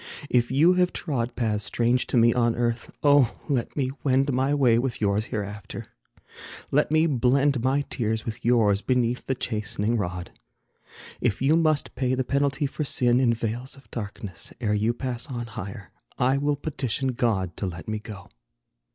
If you have trod Paths strange to me on earth, oh, let me wend My way with yours hereafter: let me blend My tears with yours beneath the chastening rod. If you must pay the penalty for sin, In vales of darkness, ere you pass on higher, I will petition God to let me go.